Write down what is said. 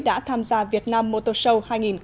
đã tham gia việt nam motor show hai nghìn một mươi chín